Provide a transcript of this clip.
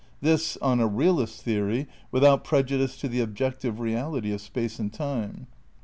This, on a realist theory, without prejudice to the objective reality of space and time.